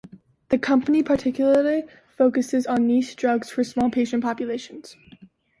The company particularly focuses on niche drugs for small patient populations.